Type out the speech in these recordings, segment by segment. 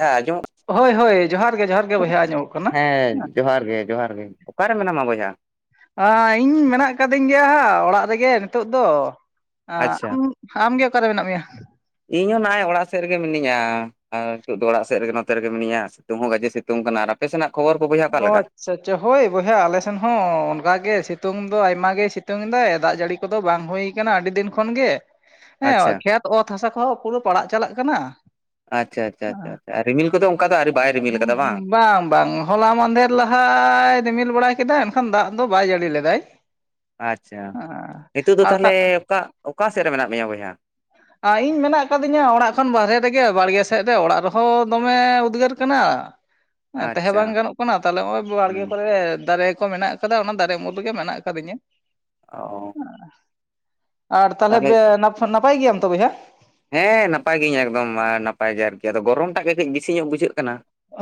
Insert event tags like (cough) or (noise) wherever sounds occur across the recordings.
ᱦᱮ ᱟᱡᱚᱢᱚᱜ ᱦᱳᱭ ᱦᱳᱭ ᱡᱚᱦᱟᱨ ᱜᱮ ᱡᱚᱦᱟᱨ ᱜᱮ ᱵᱚᱭᱦᱟ ᱟᱸᱡᱚᱢᱚᱜ ᱠᱟᱱᱟ ᱦᱮ ᱡᱚᱦᱟᱨ ᱜᱮ ᱡᱚᱦᱟᱨ ᱜᱮ ᱚᱠᱟᱨᱮ ᱢᱮᱱᱟᱢᱟ ᱵᱚᱭᱦᱟ ᱤᱧ ᱢᱮᱱᱟᱜ ᱠᱟᱫᱤᱧ ᱜᱮᱭᱟ ᱦᱟᱜ ᱚᱲᱟᱜ ᱨᱮᱜᱮ ᱱᱤᱛᱳᱜ ᱫᱚ ᱟᱪᱪᱷᱟ ᱟᱢᱜᱮ ᱚᱠᱟᱨᱮ ᱢᱮᱱᱟᱜ ᱢᱮᱭᱟ ᱤᱧ ᱦᱚᱸ ᱱᱚᱜ-ᱚᱭ ᱚᱲᱟᱜ ᱥᱮᱫ ᱨᱮᱜᱮ ᱢᱤᱱᱟᱹᱧᱟ ᱟᱨ ᱱᱤᱛᱚᱜ ᱫᱚ ᱚᱲᱟᱜ ᱥᱮᱫ ᱨᱮᱜᱮ ᱱᱚᱛᱮ ᱨᱮᱜᱮ ᱢᱤᱱᱟᱹᱧᱟ ᱥᱤᱛᱩᱝ ᱦᱚᱸ ᱜᱟᱡᱮ ᱥᱤᱛᱩᱝ ᱠᱟᱱᱟ ᱟᱨ ᱟᱯᱮ ᱥᱮᱱᱟᱜ ᱠᱷᱚᱵᱚᱨ ᱠᱚ ᱵᱚᱭᱦᱟ ᱚᱠᱟ ᱞᱮᱠᱟ? (unintelligible) ᱥᱮ ᱪᱮᱫ ᱦᱳᱭ ᱵᱚᱭᱦᱟ ᱟᱞᱮᱥᱮᱱ ᱦᱚᱸ ᱚᱱᱠᱟ ᱜᱮ ᱥᱤᱛᱩᱝ ᱫᱚ ᱟᱭᱢᱟ ᱜᱮ ᱥᱤᱛᱩᱝ ᱮᱫᱟᱭ ᱫᱟᱜ ᱡᱟᱹᱲᱤ ᱠᱚᱫᱚ ᱵᱟᱝ ᱦᱩᱭ ᱟᱠᱟᱱᱟ ᱟᱹᱰᱤ ᱫᱤᱱ ᱠᱷᱚᱱ ᱜᱮ ᱟᱪᱪᱷᱟ ᱦᱮᱸ ᱠᱷᱮᱛ ᱚᱛ ᱦᱟᱥᱟ ᱠᱚᱦᱚᱸ ᱯᱩᱨᱟᱹ ᱯᱟᱲᱟᱜ ᱪᱟᱞᱟᱜ ᱠᱟᱱᱟ ᱟᱪᱪᱷᱟ ᱟᱪᱪᱷᱟ ᱟᱪᱪᱷᱟ ᱟᱪᱪᱷᱟ ᱨᱤᱢᱤᱞ ᱠᱚᱫᱚ ᱚᱱᱠᱟ ᱫᱚ ᱟᱹᱶᱨᱤ ᱵᱟᱭ ᱨᱤᱢᱤᱞ ᱟᱠᱟᱫᱟ ᱵᱟᱝ ᱵᱟᱝ ᱵᱟᱝ ᱦᱚᱞᱟ ᱢᱟᱫᱷᱮᱨ ᱞᱟᱦᱟᱭ ᱨᱤᱢᱤᱞ ᱵᱟᱲᱟᱭ ᱠᱮᱫᱟ ᱮᱱᱠᱷᱟᱱ ᱫᱟᱜ ᱫᱚ ᱵᱟᱭ ᱡᱟᱹᱲᱤ ᱞᱮᱫᱟᱭ ᱟᱪᱪᱷᱟ ᱱᱤᱛᱚᱜ ᱫᱚ ᱟᱨ ᱛᱟ ᱛᱟᱦᱚᱞᱮ ᱚᱠᱟ ᱚᱠᱟ ᱥᱮᱫ ᱨᱮ ᱢᱮᱱᱟᱜ ᱢᱮᱭᱟ ᱵᱚᱭᱦᱟ ᱤᱧ ᱢᱮᱱᱟᱜ ᱟᱠᱟᱫᱤᱧᱟ ᱚᱲᱟᱜ ᱠᱷᱚᱱ ᱵᱟᱨᱦᱮ ᱨᱮᱜᱮ ᱵᱟᱲᱜᱮ ᱥᱮᱫ ᱨᱮ ᱚᱲᱟᱜ ᱨᱮᱦᱚᱸ ᱫᱚᱢᱮ ᱩᱫᱽᱜᱟᱹᱨ ᱠᱟᱱᱟ ᱦᱮᱸ ᱛᱟᱦᱮᱸ ᱟᱪᱪᱷᱟ ᱵᱟᱝ ᱛᱟᱦᱚᱞᱮ ᱱᱚᱜ-ᱚᱭ ᱵᱟᱲᱜᱮ ᱦᱩᱸ ᱠᱚᱨᱮ ᱫᱟᱨᱮ ᱠᱚ ᱢᱮᱱᱟᱜ ᱠᱟᱫᱟ ᱚᱱᱟ ᱫᱟᱨᱮ ᱩᱢᱩᱞ ᱨᱮᱜᱮ ᱢᱮᱱᱟᱜ ᱟᱠᱟᱫᱤᱧᱟ ᱚ ᱟᱨ ᱛᱟᱦᱚᱞᱮ ᱱᱟᱯᱟᱭ ᱜᱮᱭᱟᱢ ᱛᱚ ᱵᱚᱭᱦᱟ ᱦᱮᱸ ᱱᱟᱯᱟᱭ ᱜᱤᱭᱟᱹᱧ ᱮᱠᱫᱚᱢ ᱱᱟᱯᱟᱭ ᱜᱮ ᱟᱨᱠᱤ ᱟᱫᱚ ᱜᱚᱨᱚᱢ ᱴᱟᱜ ᱜᱮ ᱠᱟᱹᱡ ᱵᱮᱥᱤ ᱧᱚᱜ ᱵᱩᱡᱷᱟᱹᱜ ᱠᱟᱱᱟ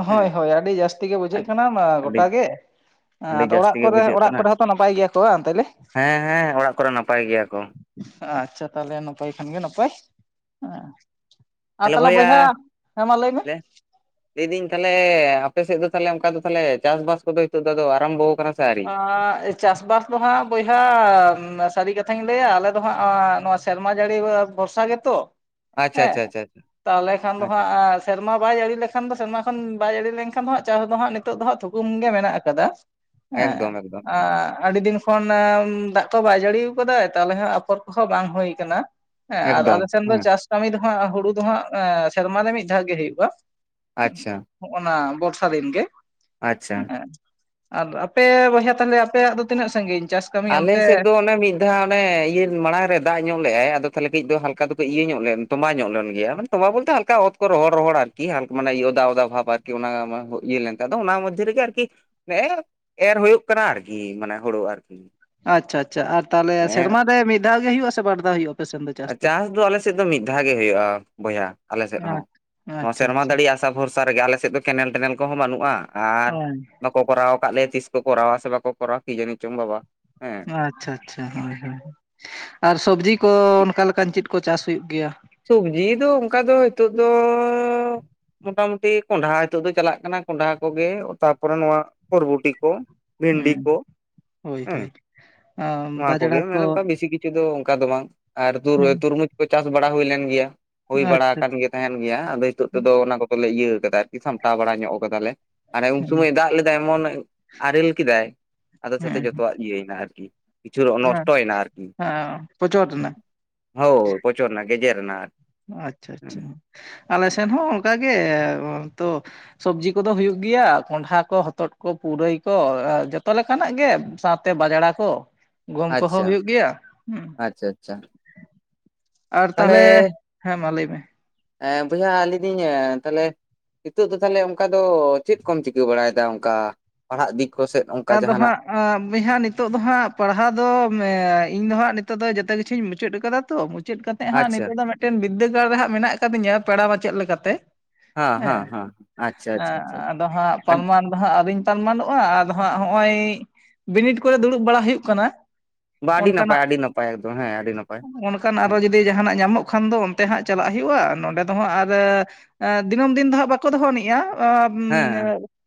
ᱦᱳᱭ ᱦᱮᱸ ᱦᱳᱭ ᱟᱹᱰᱤ ᱡᱟᱹᱥᱛᱤ ᱜᱮ ᱵᱩᱡᱷᱟᱹᱜ ᱠᱟᱱᱟ ᱢᱟ ᱟᱹᱰᱤ ᱜᱚᱴᱟ ᱜᱮ ᱦᱮ ᱟᱹᱰᱤ ᱟᱫᱚ ᱡᱟᱹᱥᱛᱤ ᱚᱲᱟᱜ ᱜᱮ ᱠᱚᱨᱮ ᱵᱩᱡᱷᱟᱹᱜ ᱚᱲᱟᱜ ᱠᱟᱱᱟ ᱠᱚᱨᱮ ᱦᱚᱸᱛᱚ ᱱᱟᱯᱟᱭ ᱜᱮᱭᱟ ᱠᱚ ᱛᱟᱦᱞᱮ ᱦᱮᱸ ᱦᱮᱸ ᱚᱲᱟᱜ ᱠᱚᱨᱮ ᱱᱟᱯᱟᱭ ᱜᱮᱭᱟ ᱠᱚ ᱟᱪᱪᱷᱟ ᱛᱟᱦᱞᱮ ᱱᱟᱯᱟᱭ ᱠᱷᱟᱱ ᱜᱮ ᱱᱟᱯᱟᱭ ᱦᱮᱸ ᱟᱨ ᱛᱟᱦᱚᱞᱮ ᱵᱚᱭᱦᱟ ᱦᱮᱸ ᱢᱟ ᱞᱟᱹᱭ ᱢᱮ᱾ ᱞᱟᱹᱭᱫᱟᱹᱧ ᱛᱟᱦᱞᱮ ᱟᱯᱮ ᱥᱮᱫ ᱫᱚ ᱛᱟᱦᱞᱮ ᱚᱱᱠᱟ ᱫᱚ ᱛᱟᱦᱞᱮ ᱪᱟᱥᱵᱟᱥ ᱠᱚᱫᱚ ᱱᱤᱛᱚᱜ ᱫᱚ ᱟᱨᱟᱢᱵᱚ ᱠᱟᱱᱟ᱾ ᱟᱜᱻᱻ ᱪᱟᱥᱵᱟᱥ ᱫᱚ ᱦᱟᱜ ᱵᱚᱭᱦᱟ ᱥᱟᱹᱨᱤ ᱠᱟᱛᱷᱟᱧ ᱞᱟᱹᱭᱟ ᱟᱞᱮᱫᱚ ᱦᱟᱜ ᱱᱚᱣᱟ ᱥᱮᱨᱢᱟ ᱡᱟᱹᱲᱤ ᱵᱷᱚᱨᱥᱟ ᱜᱮ ᱛᱚ ᱟᱪᱪᱷᱟ ᱦᱮᱸ ᱟᱪᱪᱷᱟ ᱟᱪᱪᱷᱟ ᱛᱟᱦᱚᱞᱮ ᱠᱷᱟᱱ ᱫᱚ ᱟᱪᱪᱷᱟ ᱦᱟᱜ᱾ ᱥᱮᱨᱢᱟ ᱵᱟᱭ ᱡᱟᱹᱲᱤ ᱞᱮᱠᱷᱟᱱ ᱫᱚ ᱥᱮᱨᱢᱟ ᱠᱷᱚᱱ ᱵᱟᱭ ᱡᱟᱹᱲᱤ ᱞᱮᱱᱠᱷᱟᱱ ᱫᱚ ᱪᱟᱥ ᱫᱚ ᱦᱟᱜ ᱱᱤᱛᱚᱜ ᱫᱚ ᱦᱟᱜ ᱛᱷᱩᱠᱟᱹᱢ ᱜᱮ ᱢᱮᱱᱟᱜ ᱟᱠᱟᱫᱟ᱾ ᱦᱮᱸ ᱮᱠᱫᱚᱢ ᱮᱠᱫᱚᱢ ᱟᱨ ᱟᱹᱰᱤ ᱫᱤᱱ ᱠᱷᱚᱱ ᱫᱟᱜ ᱠᱚ ᱵᱟᱭ ᱡᱟᱹᱲᱤᱭᱟ ᱟᱠᱟᱫᱟ ᱛᱟᱦᱟᱞᱮ ᱦᱚᱸ ᱟᱯᱷᱚᱨ ᱠᱚᱦᱚᱸ ᱵᱟᱝ ᱦᱩᱭ ᱟᱠᱟᱱᱟ᱾ ᱦᱮᱸ ᱟᱨ ᱮᱠᱫᱚᱢ ᱟᱞᱮ ᱥᱮᱱ ᱫᱚ ᱦᱮᱸ ᱪᱟᱥ ᱠᱟᱹᱢᱤ ᱫᱚ ᱦᱟᱜ ᱦᱩᱲᱩ ᱫᱚ ᱦᱟᱜ ᱥᱮᱨᱢᱟ ᱨᱮ ᱢᱤᱫ ᱫᱷᱟᱣ ᱜᱮ ᱦᱩᱭᱩᱜ-ᱟ᱾ ᱟᱪᱪᱷᱟ᱾ ᱦᱚᱜ-ᱚᱱᱟ ᱵᱚᱨᱥᱟ ᱫᱤᱱ ᱜᱮ ᱟᱪᱪᱷᱟ ᱦᱮᱸ ᱟᱨ ᱯᱮ ᱵᱚᱭᱦᱟ ᱛᱟᱦᱟᱞᱮ ᱟᱯᱮᱭᱟᱜ ᱫᱚ ᱛᱤᱱᱟᱹᱜ ᱥᱟᱺᱜᱤᱧ ᱪᱟᱥ? ᱠᱟᱹᱢᱤ ᱟᱞᱮ ᱚᱱᱛᱮ ᱥᱮᱫ ᱫᱚ ᱚᱱᱮ ᱢᱤᱫ ᱫᱷᱟᱣ ᱚᱱᱮ ᱤᱭᱟᱹ ᱢᱟᱲᱟᱝ ᱨᱮ ᱫᱟᱜ ᱧᱚᱜ ᱞᱮᱜᱟᱭ ᱟᱫᱚ ᱛᱟᱦᱟᱞᱮ ᱠᱟᱹᱡ ᱫᱚ ᱦᱟᱞᱠᱟ ᱫᱚ ᱠᱟᱹᱡ ᱤᱭᱟᱹ ᱧᱚᱜ ᱞᱮᱱ ᱛᱚᱵᱟ ᱧᱚᱜ ᱞᱮᱱ ᱜᱮᱭᱟ ᱢᱟᱱᱮ᱾ ᱚᱦᱟ ᱵᱚᱞᱛᱮ ᱦᱟᱞᱠᱟ ᱚᱛ ᱠᱚ ᱨᱚᱦᱚᱲ ᱨᱚᱦᱚᱲ ᱟᱨᱠᱤ ᱢᱟᱱᱮ ᱚᱫᱟ ᱚᱫᱟ ᱵᱷᱟᱵ ᱟᱨᱠᱤ ᱚᱱᱟ ᱤᱭᱟᱹ ᱞᱮᱱ ᱟᱫᱚ ᱚᱱᱟ ᱢᱚᱫᱽᱫᱷᱮ ᱟᱨᱠᱤ ᱱᱮᱮ ᱮᱨ ᱦᱩᱭᱩᱜ ᱠᱟᱱᱟ ᱟᱨᱠᱤ ᱢᱟᱱᱮ ᱦᱩᱲᱩ ᱟᱨᱠᱤ ᱾ ᱟᱪᱪᱷᱟ ᱟᱪᱪᱷᱟ ᱟᱨ ᱛᱟᱞᱦᱮ ᱥᱮᱨᱢᱟ ᱨᱮ ᱢᱤᱫ ᱫᱷᱟᱣ ᱜᱮ ᱦᱩᱭᱩᱜ ᱟ ᱥᱮ ᱵᱟᱨ ᱫᱷᱟᱣ ᱦᱩᱭᱩᱜ-ᱟ ᱟᱯᱮ ᱥᱮᱱ ᱫᱚ ᱪᱟᱥ ᱫᱚ? ᱟᱞᱮ ᱥᱮᱫ ᱫᱚ ᱢᱤᱫ ᱫᱷᱟᱣ ᱜᱮ ᱦᱩᱭᱩᱜᱼᱟ ᱵᱚᱭᱦᱟ ᱟᱞᱮᱥᱮᱫ ᱦᱚ ᱱᱚᱣᱟ ᱟᱪᱪᱷᱟ ᱥᱮᱨᱢᱟ ᱟᱪᱪᱷᱟ ᱫᱟᱲᱮᱭᱟᱜ ᱟᱥᱟ ᱵᱷᱚᱨᱥᱟ ᱨᱮᱜᱮ ᱟᱞᱮᱥᱮᱫ ᱫᱚ ᱠᱮᱱᱮᱞ ᱴᱮᱱᱮᱞ ᱠᱚᱦᱚ ᱵᱟᱹᱱᱩᱜ-ᱟ᱾ ᱟᱨ ᱦᱳᱭ ᱵᱟᱠᱚ ᱠᱚᱨᱟᱣ ᱟᱠᱟᱫ ᱞᱮᱭᱟ ᱛᱤᱥ ᱠᱚ ᱠᱚᱨᱟᱣᱟ ᱥᱮ ᱵᱟᱠᱚ ᱠᱚᱨᱟᱣᱟ ᱠᱤᱡᱟᱱᱤᱪᱚᱝ ᱵᱟᱵᱟ᱾ ᱦᱮᱸ ᱟᱪᱪᱷᱟ ᱟᱪᱪᱷᱟ ᱦᱳᱭ ᱦᱳᱭ ᱟᱨ ᱥᱚᱵᱽᱡᱤ ᱠᱚ ᱚᱱᱠᱟᱞᱮᱠᱟᱱ ᱪᱮᱫ ᱠᱚ ᱪᱟᱥ ᱦᱩᱭᱩᱜ ᱜᱮᱭᱟ? ᱥᱚᱵᱽᱡᱤ ᱫᱚ ᱚᱱᱠᱟ ᱫᱚ ᱱᱤᱛᱚᱜ ᱫᱚ ᱢᱚᱴᱟ ᱢᱩᱴᱤ ᱠᱚᱸᱰᱷᱟ ᱦᱤᱛᱚᱜ ᱫᱚ ᱪᱟᱞᱟᱜ ᱠᱟᱱᱟ ᱠᱚᱸᱰᱷᱟ ᱠᱚᱜᱮ ᱛᱟᱯᱚᱨᱮ ᱱᱚᱣᱟ ᱵᱚᱨᱵᱚᱴᱤ ᱠᱚ᱾ ᱵᱷᱤᱱᱰᱤ ᱦᱩᱸ ᱠᱚ ᱦᱳᱭ ᱦᱳᱭ ᱦᱮᱸ ᱱᱚᱣᱟ ᱵᱟᱡᱽᱲᱟ ᱠᱚᱜᱮ ᱠᱚ ᱢᱟᱱᱮ ᱚᱱᱠᱟ ᱵᱮᱥᱤ ᱠᱤᱪᱷᱩ ᱠᱤᱪᱩ ᱫᱚ ᱚᱱᱠᱟ ᱫᱚ ᱵᱟᱝ ᱟᱨ ᱦᱩᱸ ᱛᱩᱨᱢᱩᱡᱽ ᱠᱚ ᱪᱟᱥ ᱵᱟᱲᱟ ᱦᱩᱭ ᱞᱮᱱ ᱜᱮᱭᱟ ᱦᱩᱭ ᱵᱟᱲᱟ ᱟᱪᱪᱷᱟ ᱟᱠᱟᱱ ᱜᱮᱭᱟ᱾ ᱛᱟᱦᱮᱱ ᱜᱮᱭᱟ ᱟᱫᱚ ᱱᱤᱛᱚᱜ ᱛᱮᱫᱚ ᱚᱱᱟ ᱠᱚᱫᱚᱞᱮ ᱤᱭᱟᱹ ᱟᱠᱟᱫᱟ ᱟᱨᱠᱤ ᱥᱟᱢᱴᱟᱣ ᱵᱟᱲᱟ ᱧᱚᱜ ᱠᱟᱫᱟᱞᱮ᱾ ᱦᱟᱱᱮ ᱩᱱ ᱟᱪᱪᱷᱟ ᱥᱚᱢᱚᱭ ᱫᱟᱜ ᱞᱮᱫᱟᱭ ᱮᱢᱚᱱ ᱟᱨᱮᱞ ᱠᱮᱫᱟᱭ ᱟᱫᱚ ᱥᱟᱛᱮ ᱦᱮᱸ ᱡᱚᱛᱚᱣᱟᱜ ᱤᱭᱟᱹᱭᱱᱟ ᱟᱨᱠᱤ᱾ ᱠᱤᱪᱷᱩ ᱱᱚᱥᱴᱚᱭᱮᱱᱟ ᱟᱨᱠᱤ᱾ ᱦᱮᱸ ᱯᱚᱪᱚᱨ ᱨᱮᱱᱟᱜ ᱦᱳᱭ ᱯᱚᱪᱚᱨᱱᱟ ᱜᱮᱡᱮᱨᱱᱟ ᱟᱨ᱾ ᱟᱪᱪᱷᱟ ᱟᱪᱪᱷᱟ ᱟᱞᱮ ᱥᱮᱱ ᱦᱚᱸ ᱚᱱᱠᱟᱜᱮ ᱛᱚ ᱥᱚᱵᱽᱡᱤ ᱠᱚᱫᱚ ᱦᱩᱭᱩᱜ ᱜᱮᱭᱟ ᱠᱚᱸᱰᱷᱟ ᱠᱚ ᱦᱚᱛᱚᱫ ᱠᱚ ᱯᱩᱨᱟᱹᱭ ᱠᱚ ᱡᱚᱛᱚ ᱞᱮᱠᱟᱱᱟᱜ ᱜᱮ᱾ ᱛᱮ ᱵᱟᱡᱲᱟ ᱠᱚ ᱜᱚᱢ ᱠᱚᱦᱚᱸ ᱟᱪᱪᱷᱟ ᱦᱩᱭᱩᱜ ᱜᱮᱭᱟ ᱦᱩᱸ᱾ ᱟᱪᱪᱷᱟ ᱟᱪᱪᱷᱟ ᱟᱨ ᱛᱟᱦᱚᱞᱮ ᱦᱮᱸ ᱢᱟ ᱞᱟᱹᱭ ᱢᱮ᱾ ᱮ ᱵᱚᱭᱦᱟ ᱞᱟᱹᱭ ᱫᱤᱧ ᱛᱟᱦᱚᱞᱮ ᱱᱤᱛᱚᱜ ᱫᱚ ᱛᱟᱦᱟᱞᱮ ᱚᱱᱠᱟ ᱫᱚ ᱪᱮᱫ ᱠᱚᱢ ᱪᱤᱠᱟᱹ ᱵᱟᱲᱟᱭᱮᱫᱟ ᱚᱱᱠᱟ ᱯᱟᱲᱦᱟᱜ ᱫᱤᱠ ᱠᱚ ᱥᱮᱫ ᱚᱱᱠᱟ ᱟᱫᱚ ᱡᱟᱦᱟᱱᱟᱜ? ᱦᱟᱸᱜ ᱵᱚᱭᱦᱟ ᱱᱤᱛᱚᱜ ᱫᱚ ᱦᱟᱜ ᱯᱟᱲᱦᱟᱣ ᱫᱚ ᱤᱧ ᱫᱚ ᱦᱟᱜ ᱱᱤᱛᱚᱜ ᱫᱚ ᱡᱚᱛᱚ ᱠᱤᱪᱷᱩᱧ ᱢᱩᱪᱟᱹᱫ ᱠᱟᱫᱟ ᱛᱚ᱾ ᱢᱚᱪᱮᱫ ᱠᱟᱛᱮᱫ ᱦᱟᱜ ᱟᱪᱪᱷᱟ ᱱᱤᱛᱚᱜ ᱫᱚ ᱢᱤᱫᱴᱮᱱ ᱵᱤᱫᱽᱫᱟᱹᱜᱟᱲ ᱨᱮ ᱦᱟᱜ ᱢᱮᱱᱟᱜ ᱟᱠᱟᱫᱤᱧᱟ ᱯᱮᱲᱟ ᱢᱟᱪᱮᱫ ᱞᱮᱠᱟᱛᱮ᱾ ᱦᱟᱸ ᱦᱟᱸ ᱟᱪᱪᱷᱟ ᱟᱪᱪᱷᱟ ᱟᱪᱷᱟ ᱫᱚ ᱦᱟᱜ ᱯᱟᱨᱢᱟᱱᱴ ᱫᱚ ᱦᱟᱜ ᱟᱣᱨᱤᱧ ᱯᱟᱨᱢᱟᱱᱴᱚᱜ-ᱟ ᱟᱫᱚ ᱦᱟᱜ ᱱᱚᱜ-ᱚᱭ ᱵᱤᱱᱤᱰ ᱠᱚᱨᱮ ᱫᱩᱲᱩᱵ ᱵᱟᱲᱟ ᱦᱩᱭᱩᱜ ᱠᱟᱱᱟ᱾ ᱵᱟ ᱟᱹᱰᱤ ᱱᱟᱯᱟᱭ ᱚᱱᱠᱟᱱᱟᱜ ᱟᱹᱰᱤ ᱱᱟᱯᱟᱭ ᱮᱠᱫᱚᱢ ᱦᱮ ᱟᱹᱰᱤ ᱱᱟᱯᱟᱭ ᱚᱱᱠᱟᱱ ᱟᱨᱚ ᱦᱮᱸ᱾ ᱡᱩᱫᱤ ᱡᱟᱦᱟᱱᱟᱜ ᱧᱟᱢᱚᱜ ᱠᱷᱟᱱ ᱫᱚ ᱚᱱᱛᱮ ᱦᱟᱜ ᱪᱟᱞᱟᱜ ᱦᱩᱭᱩᱜ-ᱟ ᱱᱚᱸᱰᱮ ᱫᱚ ᱦᱟᱜ ᱟᱨ ᱮ ᱫᱤᱱᱟᱹᱢ ᱫᱤᱱ ᱫᱚ ᱦᱟᱸᱜ ᱵᱟᱠᱚ ᱫᱚᱦᱚ ᱮᱱᱤᱡ-ᱟ᱾ ᱦᱮᱸ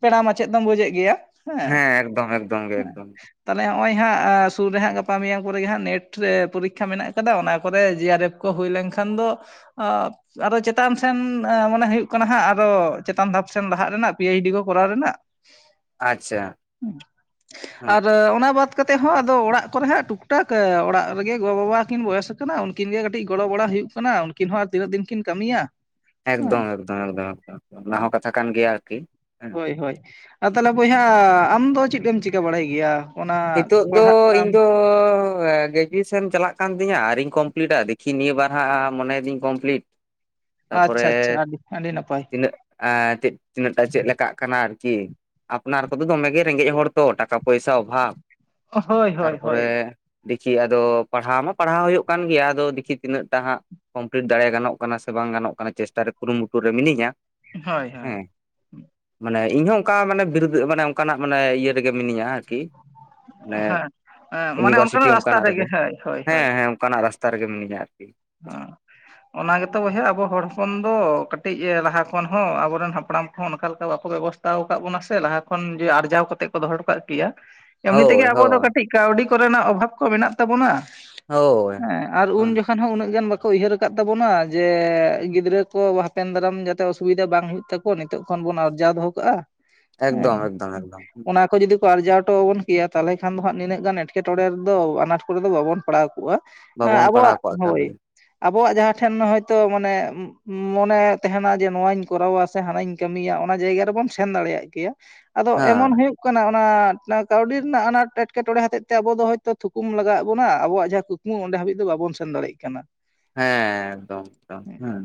ᱯᱮᱲᱟ ᱢᱟᱪᱮᱫ ᱫᱚᱢ ᱵᱩᱡᱮᱫ ᱜᱮᱭᱟ ᱦᱮᱸ ᱮᱠᱫᱚᱢ ᱮᱠᱫᱚᱢ ᱜᱮ ᱮᱠᱫᱚᱢ ᱦᱮᱸ᱾ ᱛᱟᱦᱟᱞᱮ ᱱᱚᱜ-ᱚᱭ ᱦᱟᱸᱜ ᱥᱩᱨ ᱨᱮ ᱦᱟᱸᱜ ᱜᱟᱯᱟ ᱢᱮᱭᱟᱝ ᱠᱚᱨᱮᱜᱮ ᱦᱟᱸᱜ ᱱᱮᱴ ᱯᱚᱨᱤᱠᱠᱷᱟ ᱢᱮᱱᱟᱜ ᱠᱟᱫᱟ ᱚᱱᱟ ᱠᱚᱨᱮ ᱡᱤ ᱟᱨ ᱮᱯᱷ ᱠᱚ ᱦᱩᱭ ᱞᱮᱱᱠᱷᱟᱱ ᱫᱚ ᱟᱨᱚ ᱪᱮᱛᱟᱱ ᱥᱮᱱ ᱢᱟᱱᱮ ᱦᱩᱭᱩᱜ ᱠᱟᱱᱟ ᱦᱟᱸᱜ ᱟᱨᱚ ᱪᱮᱛᱟᱱ ᱫᱷᱟᱯ ᱥᱮᱱ ᱞᱟᱦᱟᱜ ᱨᱮᱱᱟᱜ ᱯᱤ ᱮᱤᱪ ᱰᱤ ᱠᱚ ᱠᱚᱨᱟᱣ ᱨᱮᱱᱟᱜ᱾ ᱟᱪᱪᱷᱟ ᱦᱮᱸ ᱟᱨ ᱚᱱᱟ ᱵᱟᱫ ᱠᱟᱛᱮᱫ ᱦᱚᱸ ᱟᱫᱚ ᱚᱲᱟᱜ ᱠᱚᱨᱮ ᱦᱟᱜ ᱴᱩᱠᱴᱟᱠ ᱚᱲᱟᱜ ᱨᱮᱜᱮ ᱜᱳ ᱵᱟᱵᱟ ᱠᱤᱱ ᱵᱚᱭᱚᱥ ᱟᱠᱟᱱᱟ ᱩᱱᱠᱤᱱ ᱜᱮ ᱠᱟᱹᱴᱤᱡ ᱜᱚᱲᱚ ᱵᱟᱲᱟ ᱦᱩᱭᱩᱜ ᱠᱟᱱᱟ ᱠᱟᱱᱟ ᱩᱱᱠᱤᱱ ᱦᱚᱸ ᱟᱨ ᱛᱤᱱᱟᱹᱜ ᱫᱤᱱ ᱠᱤᱱ ᱠᱟᱹᱢᱤᱭᱟ ᱦᱮᱸ ᱮᱠᱫᱚᱢ ᱮᱠᱫᱚᱢ ᱮᱠᱫᱚᱢ ᱚᱠᱫᱚᱢ ᱚᱱᱟ ᱦᱮᱸ ᱦᱚᱸ ᱠᱟᱛᱷᱟ ᱠᱟᱱ ᱜᱮᱭᱟ ᱟᱨᱠᱤ ᱦᱮᱸ ᱦᱳᱭ ᱦᱳᱭ ᱟᱨ ᱛᱟᱦᱚᱞᱮ ᱵᱚᱭᱦᱟ ᱟᱢ ᱫᱚ ᱪᱮᱫ ᱮᱢ ᱪᱤᱠᱟᱹ ᱵᱟᱲᱟᱭ ᱜᱮᱭᱟ ᱚᱱᱟ ᱱᱤᱛᱚᱜ ᱫᱚ ᱯᱟᱲᱦᱟᱜ ᱤᱧ ᱠᱟᱱᱟᱢ ᱫᱚ ᱜᱮᱼᱼ ᱜᱨᱮᱡᱩᱭᱮᱥᱮᱱ ᱪᱟᱞᱟᱜ ᱠᱟᱱ ᱛᱤᱧᱟᱹ ᱟᱹᱣᱨᱤᱧ ᱠᱚᱢᱯᱞᱤᱴᱟ ᱫᱮᱠᱷᱤ ᱱᱤᱭᱟᱹ ᱵᱟᱨ ᱦᱟᱸᱜ ᱢᱚᱱᱮᱭᱮᱫᱤᱧ ᱠᱚᱢᱯᱞᱤᱴ ᱛᱟᱯᱚᱨᱮ ᱟᱪᱪᱷᱟ ᱟᱪᱪᱷᱟ ᱟᱹᱰᱤ ᱟᱹᱰᱤ ᱱᱟᱯᱟᱭ ᱛᱤᱱᱟᱹᱜᱼᱼ ᱮᱸᱻ ᱪᱮᱫ ᱛᱤᱱᱟᱹᱜ ᱴᱟᱜ ᱪᱮᱫ ᱞᱮᱠᱟᱜ ᱠᱟᱱᱟ ᱟᱨᱠᱤ ᱟᱯᱱᱟᱨ ᱠᱚᱫᱚ ᱫᱚᱢᱮ ᱜᱮ ᱨᱮᱸᱜᱮᱡ ᱦᱚᱲ ᱛᱚ ᱴᱟᱠᱟ ᱯᱚᱭᱥᱟ ᱚᱵᱷᱟᱵᱽ ᱦᱳᱭ ᱦᱳᱭ ᱛᱟᱨᱯᱚᱨᱮ ᱦᱳᱭ ᱫᱮᱠᱷᱤ ᱟᱫᱚ ᱯᱟᱲᱦᱟᱣ ᱢᱟ ᱯᱟᱲᱦᱟᱣ ᱦᱩᱭᱩᱜ ᱠᱟᱱ ᱜᱮᱭᱟ ᱟᱫᱚ ᱫᱮᱠᱷᱤ ᱛᱤᱱᱟᱹᱜ ᱴᱟᱜ ᱦᱟᱸᱜ ᱠᱚᱢᱯᱞᱤᱴ ᱫᱟᱲᱮ ᱜᱟᱱᱚᱜ ᱠᱟᱱᱟ ᱥᱮ ᱵᱟᱝ ᱜᱟᱱᱚᱜ ᱠᱟᱱᱟ ᱪᱮᱥᱴᱟ ᱠᱩᱨᱩᱢᱩᱴᱩ ᱨᱮ ᱢᱤᱱᱟᱹᱧᱟ ᱦᱳᱭ ᱦᱳᱭ ᱦᱮᱸᱻ ᱢᱟᱱᱮ ᱤᱧ ᱦᱚᱸ ᱚᱱᱠᱟ ᱢᱟᱱᱮ ᱵᱤᱨᱫᱟᱹ ᱢᱟᱱᱮ ᱚᱱᱠᱟᱱᱟᱜ ᱢᱟᱱᱮ ᱤᱭᱟᱹ ᱨᱮᱜᱮ ᱢᱤᱱᱟᱹᱧᱟ ᱟᱨᱠᱤ ᱢᱟᱱᱮ ᱦᱮᱸ ᱦᱮᱸ ᱢᱟᱱᱮ ᱤᱱᱤᱵᱷᱟᱨᱥᱤᱴᱤ ᱨᱟᱥᱛᱟ ᱚᱱᱠᱟᱱᱟᱜ ᱨᱮᱜᱮ ᱦᱳᱭ ᱦᱳᱭ ᱦᱳᱭ ᱦᱮᱸ ᱦᱮᱸ ᱚᱱᱠᱟᱱᱟᱜ ᱨᱟᱥᱛᱟ ᱨᱮᱜᱮ ᱢᱤᱱᱟᱹᱧᱟ ᱟᱨᱠᱤ (unintelligible) ᱚᱱᱟ ᱜᱮᱛᱚ ᱵᱚᱭᱦᱟ ᱟᱵᱚ ᱦᱚᱲ ᱦᱚᱯᱚᱱ ᱫᱚ ᱠᱟᱹᱴᱤᱡ ᱞᱟᱦᱟ ᱠᱷᱚᱱ ᱦᱚᱸ ᱟᱵᱚ ᱨᱮᱱ ᱦᱟᱯᱲᱟᱢ ᱠᱚᱦᱚᱸ ᱚᱱᱠᱟ ᱞᱮᱠᱟ ᱵᱟᱠᱚ ᱵᱮᱵᱚᱥᱛᱷᱟ ᱟᱠᱟᱫ ᱵᱚᱱᱟ ᱥᱮ ᱞᱟᱦᱟ ᱠᱷᱚᱱ ᱡᱮ ᱟᱨᱡᱟᱣ ᱠᱟᱛᱮᱫ ᱠᱚ ᱫᱚᱦᱚ ᱚᱴᱚ ᱠᱟᱜ ᱠᱮᱭᱟ ᱮᱢᱱᱤ ᱛᱮᱜᱮ ᱦᱳᱭ ᱟᱵᱚ ᱫᱚ ᱦᱳᱭ ᱠᱟᱹᱴᱤᱡ ᱠᱟᱹᱣᱰᱤ ᱠᱚ ᱨᱮᱱᱟᱜ ᱚᱵᱷᱟᱵᱽ ᱠᱚ ᱢᱮᱱᱟᱜ ᱛᱟᱵᱚᱱᱟ ᱦᱳᱭ ᱦᱮᱸ ᱟᱨ ᱩᱱ ᱦᱮᱸ ᱡᱚᱠᱷᱚᱱ ᱦᱚᱸ ᱩᱱᱟᱹᱜ ᱟᱹᱰᱤ ᱜᱟᱱ ᱵᱟᱠᱚ ᱩᱭᱦᱟᱹᱨ ᱟᱠᱟᱫ ᱛᱟᱵᱚᱱᱟ ᱡᱮ ᱜᱤᱫᱽᱨᱟᱹ ᱠᱚ ᱦᱟᱯᱮᱱ ᱫᱟᱨᱟᱢ ᱡᱟᱛᱮ ᱚᱥᱩᱵᱤᱫᱟ ᱵᱟᱝ ᱦᱩᱭᱩᱜ ᱛᱟᱠᱚ ᱱᱤᱛᱚᱜ ᱠᱷᱚᱱ ᱵᱚᱱ ᱟᱨᱡᱟᱣ ᱫᱚᱦᱚ ᱠᱟᱜ-ᱟ ᱦᱮᱸ ᱮᱠᱫᱚᱢ ᱮᱠᱫᱚᱢ ᱮᱠᱫᱚᱢ ᱚᱱᱟ ᱠᱚ ᱡᱩᱫᱤ ᱠᱚ ᱟᱨᱡᱟᱣ ᱚᱴᱚ ᱟᱵᱚᱱ ᱠᱮᱭᱟ ᱛᱟᱦᱚᱞᱮ ᱠᱷᱟᱱ ᱫᱚ ᱦᱟᱸᱜ ᱱᱤᱱᱟᱹᱜ ᱜᱟᱱ ᱮᱴᱠᱮᱴᱚᱬᱮ ᱨᱮ ᱫᱚ ᱟᱱᱟᱴ ᱠᱚᱨᱮ ᱫᱚ ᱵᱟᱵᱚᱱ ᱯᱟᱲᱟᱣ ᱠᱚᱜ-ᱟ ᱮᱸᱻ ᱵᱟᱵᱚᱱ ᱟᱵᱚᱣᱟᱜ ᱯᱟᱲᱟᱣ ᱠᱚᱜᱼᱟ ᱮᱠᱟᱞ ᱦᱳᱭ ᱜᱮ ᱟᱵᱚᱣᱟᱜ ᱡᱟᱦᱟᱸ ᱴᱷᱮᱱ ᱦᱚᱭ ᱛᱚ ᱢᱟᱱᱮ ᱢᱚᱱᱮ ᱛᱟᱦᱮᱱᱟ ᱡᱮ ᱱᱚᱣᱟᱧ ᱠᱚᱨᱟᱣᱟ ᱥᱮ ᱥᱮ ᱦᱟᱱᱟᱹᱧ ᱠᱟᱹᱢᱤᱭᱟ ᱚᱱᱟ ᱡᱟᱭᱜᱟ ᱨᱮᱵᱚᱱ ᱥᱮᱱ ᱫᱟᱲᱮᱭᱟᱜ ᱜᱮᱭᱟ ᱟᱫᱚ ᱮᱢᱚᱱ ᱦᱮᱸ ᱦᱩᱭᱩᱜ ᱠᱟᱱᱟ ᱚᱱᱟ ᱠᱟᱹᱣᱰᱤ ᱨᱮᱱᱟᱜ ᱟᱱᱟᱴ ᱮᱴᱠᱮᱴᱚᱬᱮ ᱦᱚᱛᱮᱫ ᱛᱮ ᱟᱵᱚ ᱫᱚ ᱦᱳᱭᱛᱳ ᱛᱷᱩᱠᱩᱢ ᱞᱟᱜᱟᱣᱚᱜ ᱵᱚᱱᱟ ᱟᱵᱚᱣᱟᱜ ᱡᱟᱦᱟᱸ ᱠᱩᱠᱢᱩ ᱚᱸᱰᱮ ᱦᱟᱹᱵᱤᱡ ᱫᱚ ᱵᱟᱵᱚᱱ ᱥᱮᱱ ᱫᱟᱲᱮᱭᱟᱜ ᱠᱟᱱᱟ ᱦᱮᱸ ᱮᱠᱫᱚᱢ ᱮᱠᱫᱚᱢ ᱦᱮᱸ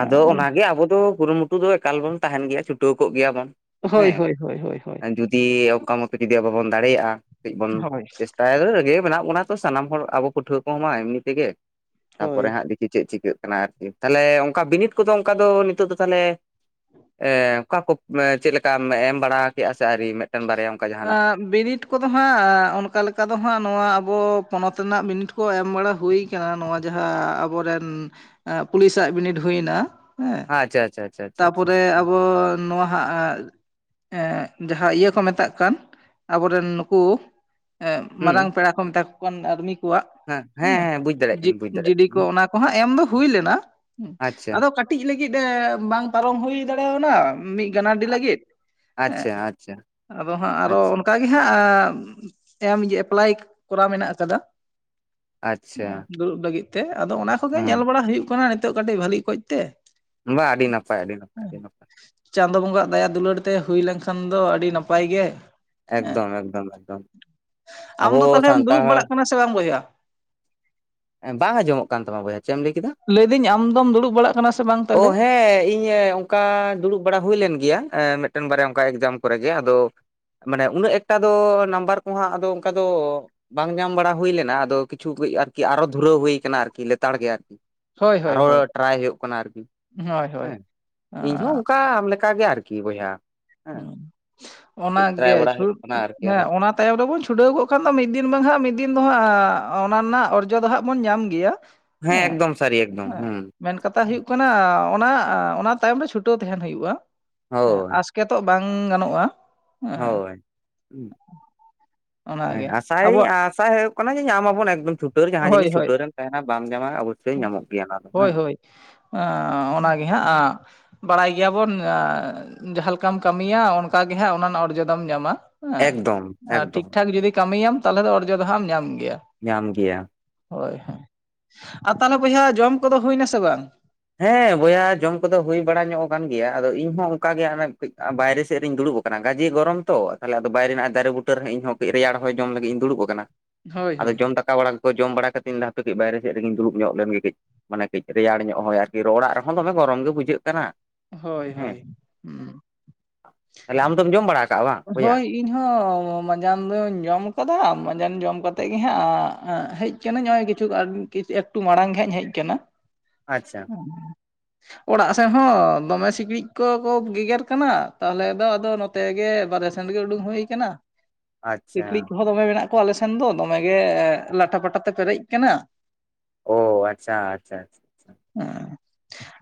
ᱟᱫᱚ ᱚᱱᱟᱜᱮ ᱟᱵᱚ ᱫᱚ ᱠᱩᱨᱩᱢᱩᱴᱩ ᱫᱚ ᱮᱠᱟᱞ ᱵᱚᱱ ᱛᱟᱦᱮᱱ ᱜᱮᱭᱟ ᱪᱷᱩᱴᱟᱹᱣ ᱠᱚᱜ ᱜᱮᱭᱟ ᱵᱚᱱ ᱦᱳᱭ ᱦᱮᱸ ᱦᱳᱭ ᱦᱳᱭ ᱦᱳᱭ ᱦᱳᱭ ᱡᱩᱫᱤ ᱚᱱᱠᱟ ᱢᱚᱛᱚ ᱡᱩᱫᱤ ᱟᱵᱚ ᱵᱚᱱ ᱫᱟᱲᱮᱭᱟᱜ-ᱟ ᱠᱟᱹᱡ ᱵᱚᱱ ᱪᱮᱥᱴᱟᱭ ᱨᱮᱜᱮ ᱢᱮᱱᱟᱜ ᱵᱚᱱᱟ ᱛᱚ ᱥᱟᱱᱟᱢ ᱦᱚᱲ ᱟᱵᱚ ᱯᱟᱹᱴᱷᱩᱣᱟᱹ ᱠᱚᱢᱟ ᱮᱢᱱᱤ ᱛᱮ ᱜᱮ ᱦᱳᱭ ᱛᱟᱨᱯᱚᱨᱮ ᱦᱟᱸᱜ ᱫᱤᱠᱷᱤ ᱪᱮᱫ ᱪᱤᱠᱟᱹᱜ ᱠᱟᱱᱟ ᱟᱨᱠᱤ ᱛᱟᱦᱞᱮ ᱚᱱᱠᱟ ᱵᱤᱱᱤᱰ ᱠᱚᱫᱚ ᱚᱱᱠᱟ ᱫᱚ ᱱᱤᱛᱚᱜ ᱫᱚ ᱛᱟᱦᱚᱞᱮ ᱚᱠᱟ ᱠᱚ ᱪᱮᱫ ᱞᱮᱠᱟᱢ ᱮᱢ ᱵᱟᱲᱟ ᱠᱮᱜ-ᱟ ᱥᱮ ᱟᱹᱣᱨᱤ ᱢᱤᱫᱴᱟᱹᱝ ᱵᱟᱨᱭᱟ ᱚᱱᱠᱟ ᱡᱟᱦᱟᱱᱟᱜ ᱟᱸ ᱵᱤᱱᱤᱰ ᱠᱚᱫᱚ ᱦᱟᱸᱜ ᱚᱱᱠᱟ ᱞᱮᱠᱟ ᱫᱚ ᱦᱟᱸᱜ ᱱᱚᱣᱟ ᱟᱵᱚ ᱯᱚᱱᱚᱛ ᱨᱮᱱᱟᱜ ᱵᱤᱱᱤᱰ ᱠᱚ ᱮᱢ ᱵᱟᱲᱟ ᱦᱩᱭ ᱟᱠᱟᱱᱟ ᱱᱚᱣᱟ ᱡᱟᱦᱟᱸ ᱟᱵᱚᱨᱮᱱ ᱯᱩᱞᱤᱥᱟᱜ ᱵᱤᱱᱤᱰ ᱦᱩᱭ ᱮᱱᱟ ᱦᱮᱸ ᱟᱪᱷᱟ ᱟᱪᱷᱟ ᱛᱟᱯᱚᱨᱮ ᱟᱵᱚ ᱱᱚᱣᱟ ᱦᱟᱸᱜ ᱡᱟᱦᱟᱸ ᱤᱭᱟᱹ ᱠᱚ ᱢᱮᱛᱟᱜ ᱠᱟᱱ ᱟᱵᱚ ᱨᱮᱱ ᱱᱩᱠᱩ ᱦᱩᱸ ᱢᱟᱨᱟᱝ ᱯᱮᱲᱟ ᱠᱚ ᱢᱮᱛᱟ ᱠᱚ ᱠᱟᱱ ᱟᱨᱢᱤ ᱠᱚᱣᱟᱜ ᱦᱮᱸ ᱵᱩᱡ ᱫᱟᱲᱮᱭᱟᱜ ᱡᱤ ᱠᱟᱹᱱᱟᱹᱧ ᱵᱩᱡ ᱫᱟᱲᱮᱭᱟᱜ ᱡᱤᱰᱤ ᱠᱚ ᱠᱟᱹᱱᱟᱹᱧ ᱚᱱᱟ ᱠᱚ ᱦᱟᱸᱜ ᱮᱢ ᱫᱚ ᱦᱩᱭ ᱞᱮᱱᱟ ᱟᱪᱪᱷᱟ ᱟᱫᱚ ᱠᱟᱹᱴᱤᱡ ᱞᱟᱹᱜᱤᱫ ᱵᱟᱝ ᱯᱟᱨᱚᱢ ᱦᱩᱭ ᱫᱟᱲᱮᱣᱟᱱᱟ ᱢᱤᱫ ᱜᱟᱱᱟᱰᱤ ᱞᱟᱹᱜᱤᱫ ᱦᱮᱸ ᱟᱪᱪᱷᱟ ᱟᱪᱪᱷᱟ ᱟᱫᱚ ᱦᱟᱸᱜ ᱟᱪᱪᱷᱟ ᱟᱨᱦᱚᱸ ᱚᱱᱠᱟᱜ ᱜᱮ ᱦᱟᱸᱜ ᱮᱢ ᱮᱯᱞᱟᱭ ᱠᱚᱨᱟᱣ ᱢᱮᱱᱟᱜ ᱟᱠᱟᱫᱟ ᱟᱪᱪᱷᱟ ᱫᱩᱲᱩᱵ ᱞᱟᱹᱜᱤᱫ ᱛᱮ ᱟᱫᱚ ᱚᱱᱟ ᱠᱚᱜᱮ ᱧᱮᱞ ᱦᱩᱸ ᱵᱟᱲᱟ ᱦᱩᱭᱩᱜ ᱠᱟᱱᱟ ᱱᱤᱛᱳᱜ ᱠᱟᱹᱴᱤᱡ ᱵᱷᱟᱹᱞᱤ ᱚᱠᱚᱡ ᱛᱮ ᱵᱟ ᱟᱹᱰᱤ ᱱᱟᱯᱟᱭ ᱟᱹᱰᱤ ᱱᱟᱯᱟᱭ ᱟᱹᱰᱤ ᱱᱟᱯᱟᱭ ᱪᱟᱸᱫᱚ ᱵᱚᱸᱜᱟ ᱟᱜ ᱫᱟᱭᱟ ᱫᱩᱞᱟᱹᱲ ᱛᱮ ᱦᱩᱭ ᱞᱮᱱᱠᱷᱟᱱ ᱫᱚ ᱟᱹᱰᱤ ᱱᱟᱯᱟᱭ ᱜᱮ ᱮᱠᱫᱚᱢ ᱮᱠᱫᱚᱢ ᱮᱠᱫᱚᱢ ᱟᱵᱚ ᱟᱢᱫᱚ ᱛᱟᱦᱚᱞᱮᱢ ᱫᱩᱲᱩᱵ ᱥᱟᱱᱛᱟᱲ ᱵᱟᱲᱟᱜ ᱠᱟᱱᱟ ᱥᱮ ᱵᱟᱝ ᱵᱚᱭᱦᱟ ᱵᱟᱝ ᱟᱸᱡᱚᱢᱚᱜ ᱠᱟᱱ ᱛᱟᱢᱟ ᱵᱚᱭᱦᱟ ᱪᱮᱫ ᱮᱢ ᱞᱟᱹᱭ ᱠᱮᱫᱟ ᱞᱟᱹᱭ ᱫᱟᱹᱧ ᱟᱢ ᱫᱚᱢ ᱫᱩᱲᱩᱵ ᱵᱟᱲᱟᱜ ᱠᱟᱱᱟ ᱥᱮ ᱵᱟᱝ ᱛᱟᱼᱼ ᱚᱻ ᱦᱮᱸ ᱤᱧ ᱚᱱᱠᱟ ᱫᱩᱲᱩᱵ ᱵᱟᱲᱟ ᱦᱩᱭ ᱞᱮᱱ ᱜᱮᱭᱟ ᱢᱤᱫᱴᱮᱱ ᱵᱟᱨᱭᱟ ᱚᱱᱠᱟ ᱮᱠᱡᱟᱢ ᱠᱚᱨᱮ ᱜᱮ ᱟᱫᱚ ᱢᱟᱱᱮ ᱩᱱᱟᱹᱜ ᱮᱠᱴᱟ ᱫᱚ ᱱᱟᱢᱵᱟᱨ ᱠᱚᱦᱟᱸᱜ ᱟᱫᱚ ᱚᱱᱠᱟ ᱫᱚ ᱵᱟᱝ ᱧᱟᱢ ᱵᱟᱲᱟ ᱦᱩᱭ ᱞᱮᱱᱟ ᱟᱫᱚ ᱠᱤᱪᱷᱩ ᱠᱟᱹᱡ ᱟᱨᱠᱤ ᱟᱨᱚ ᱫᱷᱩᱨᱟᱹᱣ ᱦᱩᱭ ᱠᱟᱱᱟ ᱟᱨᱠᱤ ᱞᱮᱛᱟᱲ ᱜᱮ ᱟᱨᱠᱤ ᱦᱳᱭ ᱦᱳᱭ ᱟᱨᱦᱚ ᱦᱳᱭ ᱴᱨᱟᱭ ᱦᱩᱭᱩᱜ ᱠᱟᱱᱟ ᱟᱨᱠᱤ ᱦᱳᱭ ᱦᱳᱭ ᱦᱮᱸ ᱤᱧ ᱦᱚ ᱚᱱᱠᱟ ᱟᱢ ᱞᱮᱠᱟ ᱜᱮ ᱟᱨᱠᱤ ᱵᱚᱭᱦᱟ ᱦᱮᱸ ᱦᱩᱸ ᱚᱱᱟ ᱴᱨᱟᱭ ᱜᱮ ᱵᱟᱲᱟ ᱦᱩᱭᱩᱜ ᱪᱷᱩᱫ ᱠᱟᱱᱟ ᱟᱨᱠᱤ ᱦᱮᱸ ᱟᱨᱚ ᱚᱱᱟ ᱛᱟᱭᱚᱢ ᱨᱮᱵᱚᱱ ᱪᱷᱩᱴᱟᱹᱣ ᱠᱚᱜ ᱠᱷᱟᱱ ᱫᱚ ᱢᱤᱫ ᱫᱤᱱ ᱵᱟᱝ ᱦᱟᱸᱜ ᱢᱤᱫ ᱫᱤᱱ ᱫᱚ ᱦᱟᱸᱜ ᱚᱱᱟ ᱨᱮᱱᱟᱜ ᱚᱨᱡᱚ ᱫᱚ ᱦᱟᱸᱜ ᱵᱚᱱ ᱧᱟᱢ ᱜᱮᱭᱟ ᱦᱮᱸ ᱮᱠᱫᱚᱢ ᱥᱟᱨᱤ ᱮᱠᱫᱚᱢ ᱦᱮᱸ ᱦᱩᱸ ᱢᱮᱱ ᱠᱟᱛᱷᱟ ᱦᱩᱭᱩᱜ ᱠᱟᱱᱟ ᱚᱱᱟ ᱚᱱᱟ ᱛᱟᱭᱚᱢ ᱨᱮ ᱪᱷᱩᱴᱟᱹᱣ ᱛᱟᱦᱮᱸᱱ ᱦᱩᱭᱩᱜ-ᱟ ᱦᱮᱸ ᱦᱳᱭ ᱟᱥ ᱠᱮᱛᱚᱜ ᱵᱟᱝ ᱜᱟᱱᱚᱜ-ᱟ ᱦᱳᱭ ᱦᱮ ᱚᱱᱟᱜᱮ ᱟᱥᱟᱭᱟᱹᱧ ᱟᱵᱚᱣᱟᱜ ᱟᱥ ᱟᱭ ᱦᱩᱭᱩᱜ ᱠᱟᱱᱟ ᱡᱮ ᱧᱟᱢᱟᱵᱚᱱ ᱮᱠᱫᱚᱢ ᱪᱷᱩᱴᱟᱹᱣ ᱡᱟᱦᱟᱸ ᱦᱳᱭ ᱡᱤᱱᱤᱥ ᱦᱳᱭ ᱪᱷᱩᱴᱟᱹᱣ ᱨᱮᱢ ᱛᱟᱦᱮᱱᱟ ᱵᱟᱢ ᱧᱟᱢᱟ ᱧᱟᱢᱚᱜ ᱜᱮᱭᱟ ᱚᱱᱟ ᱫᱚ ᱦᱳᱭ ᱦᱮᱸ ᱦᱳᱭ ᱚᱱᱟᱜᱮ ᱦᱟᱸᱜ ᱵᱟᱲᱟᱭ ᱜᱮᱭᱟᱵᱚᱱ ᱡᱟᱦᱟᱸ ᱞᱮᱠᱟᱢ ᱠᱟᱹᱢᱤᱭᱟ ᱚᱱᱠᱟᱜᱮ ᱦᱟᱸᱜ ᱚᱱᱟ ᱨᱮᱱᱟᱜ ᱚᱨᱡᱚ ᱫᱚᱢ ᱧᱟᱢᱟ ᱮᱠᱫᱚᱢ ᱮᱠᱫᱚᱢ ᱴᱷᱤᱠ ᱴᱷᱟᱠ ᱡᱩᱫᱤ ᱠᱟᱹᱢᱤᱭᱟᱢ ᱛᱟᱦᱚᱞᱮ ᱫᱚ ᱚᱨᱡᱚ ᱫᱚ ᱦᱟᱸᱜ ᱟᱢ ᱧᱟᱢ ᱜᱮᱭᱟ ᱧᱟᱢ ᱜᱮᱭᱟ ᱦᱳᱭ ᱦᱳᱭ ᱟᱨ ᱛᱟᱦᱚᱞᱮ ᱵᱚᱭᱦᱟ ᱡᱚᱢ ᱠᱚᱫᱚ ᱦᱩᱭ ᱮᱱᱟᱥᱮ ᱵᱟᱝ ᱦᱮᱸ ᱵᱚᱭᱦᱟ ᱡᱚᱢ ᱠᱚᱫᱚ ᱦᱩᱭ ᱵᱟᱲᱟ ᱧᱚᱜ ᱟᱠᱟᱱ ᱜᱮᱭᱟ ᱟᱫᱚ ᱤᱧ ᱦᱚᱸ ᱚᱝᱠᱟ ᱜᱮ ᱦᱟᱱᱮ ᱠᱟᱹᱡ ᱵᱟᱭᱨᱮ ᱥᱮᱜ ᱨᱤᱧ ᱫᱩᱲᱩᱵ ᱟᱠᱟᱱᱟ ᱜᱟᱹᱡᱮ ᱜᱚᱨᱚᱢ ᱛᱚ ᱛᱟᱦᱚᱞᱮ ᱟᱫᱚ ᱵᱟᱭᱨᱮ ᱱᱟᱜ ᱫᱟᱨᱮ ᱵᱩᱴᱟᱹ ᱨᱮᱦᱚᱸ ᱤᱧ ᱦᱚᱸ ᱠᱟᱹᱡ ᱨᱮᱭᱟᱲ ᱦᱚᱭ ᱡᱚᱢ ᱞᱟᱹᱜᱤᱫ ᱤᱧ ᱫᱩᱲᱩᱵ ᱟᱠᱟᱱᱟ ᱦᱳᱭ ᱟᱫᱚ ᱦᱳᱭ ᱡᱚᱢ ᱫᱟᱠᱟ ᱵᱟᱲᱟ ᱡᱚᱢ ᱵᱟᱲᱟ ᱠᱟᱛᱤᱱ ᱦᱟᱯᱮ ᱠᱟᱹᱡ ᱵᱟᱭᱨᱮ ᱥᱮᱫ ᱨᱮᱜᱤᱧ ᱫᱩᱲᱩᱵ ᱧᱚᱜ ᱞᱮᱱ ᱜᱮ ᱠᱟᱹᱡ ᱢᱟᱱᱮ ᱠᱟᱹᱡ ᱨᱮᱭᱟᱲ ᱧᱚᱜ ᱦᱚᱭ ᱟᱨ ᱚᱲᱟᱜ ᱨᱮᱦᱚᱸ ᱫᱚᱢᱮ ᱜᱚᱨᱚᱢ ᱜᱮ ᱵᱩᱡᱷᱟᱹᱜ ᱠᱟᱱᱟ ᱦᱳᱭ ᱦᱮᱸ ᱦᱳᱭ ᱦᱩᱸ ᱛᱟᱦᱚᱞᱮ ᱟᱢ ᱫᱚᱢ ᱡᱚᱢ ᱵᱟᱲᱟ ᱟᱠᱟᱜᱼᱟ ᱵᱟᱝ ᱵᱚᱭᱦᱟ ᱦᱳᱭ ᱤᱧ ᱦᱚᱸ ᱢᱟᱸᱡᱟᱱ ᱫᱚᱧ ᱡᱚᱢ ᱟᱠᱟᱫᱟ ᱢᱟᱡᱟᱱ ᱡᱚᱢ ᱠᱟᱛᱮᱜ ᱜᱮ ᱦᱟᱸᱜ ᱦᱮᱡ ᱠᱟᱱᱟᱧ ᱱᱚᱜᱚᱭ ᱠᱤᱪᱷᱩ ᱮᱠᱴᱩ ᱢᱟᱲᱟᱝ ᱜᱮ ᱦᱟᱜ ᱤᱧ ᱦᱮᱡ ᱟᱠᱟᱱᱟ ᱟᱪᱪᱷᱟ ᱚᱲᱟᱜ ᱥᱮᱡ ᱟᱪᱪᱷᱟ ᱦᱚᱸ ᱫᱚᱢᱮ ᱥᱤᱠᱬᱤᱡ ᱠᱚᱠᱚ ᱜᱮᱜᱮᱨ ᱠᱟᱱᱟ ᱛᱟᱦᱚᱞᱮ ᱫᱚ ᱟᱫᱚ ᱱᱚᱛᱮ ᱜᱮ ᱵᱟᱨᱮ ᱥᱮᱱ ᱜᱮ ᱩᱰᱩᱝ ᱦᱩᱭ ᱠᱟᱱᱟ ᱟᱪᱪᱷᱟ ᱥᱤᱠᱬᱤᱡ ᱠᱚᱦᱚᱸ ᱫᱚᱢᱮ ᱢᱮᱱᱟᱜ ᱠᱚᱣᱟ ᱟᱞᱮ ᱥᱮᱱ ᱫᱚ ᱫᱚᱢᱮ ᱜᱮ ᱞᱟᱴᱟ ᱯᱟᱴᱟ ᱛᱮ ᱯᱮᱨᱮᱡ ᱠᱟᱱᱟ ᱚ ᱟᱪᱪᱷᱟ ᱟᱪᱪᱷᱟ ᱟᱪᱪᱷᱟ (unintelligible)